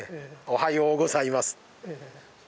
「おはようございます」。